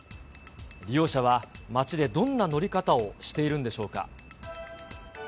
利用者は、街でどんな乗り方をしているんでしょうか。